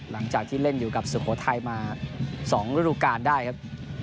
หลังจากที่เล่นอยู่กับสุโขทัยมา๒ฤดูการได้ครับ